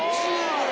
これ。